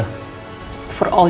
bukan apa tante